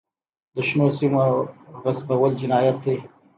د شنو سیمو غصبول جنایت دی.